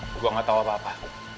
gue gak tau apa apa